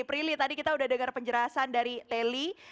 prilly tadi kita udah dengar penjelasan dari teli